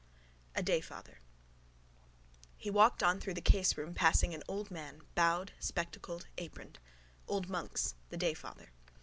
A DAYFATHER He walked on through the caseroom passing an old man, bowed, spectacled, aproned. Old Monks, the dayfather.